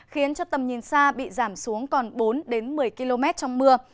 khiến cho tầm nhìn xa bị giảm xuống còn bốn đến một mươi km trong mưa